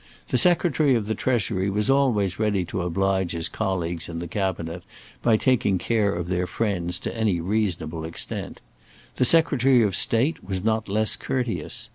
The Secretary of the Treasury was always ready to oblige his colleagues in the Cabinet by taking care of their friends to any reasonable extent. The Secretary of State was not less courteous.